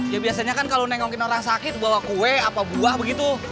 ya biasanya kan kalau nengokin orang sakit bawa kue apa buah begitu